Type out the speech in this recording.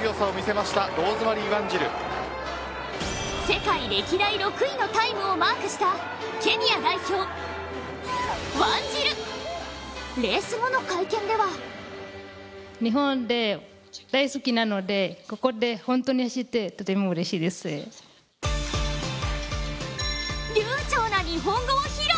世界歴代６位のタイムをマークしたケニア代表・ワンジルレース後の会見では流ちょうな日本語を披露。